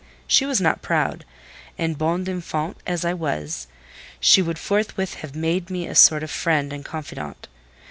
She was not proud; and—bonne d'enfants as I was—she would forthwith have made of me a sort of friend and confidant.